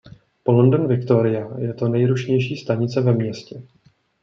Po London Victoria je to nejrušnější stanice ve městě.